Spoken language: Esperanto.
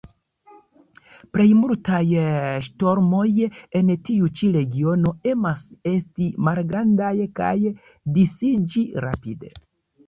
Plejmultaj ŝtormoj en tiu ĉi regiono emas esti malgrandaj kaj disiĝi rapide.